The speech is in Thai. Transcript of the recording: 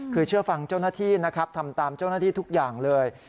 คือเชื่อฟังเจ้าหน้าที่นะครับทำตามเจ้าหน้าที่ทุกอย่างเลย